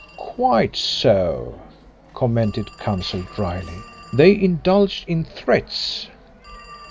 "Quite so," commented Counsel drily. "They indulged in threats?"